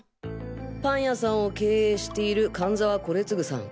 パン屋さんを経営している菅沢惟次さん。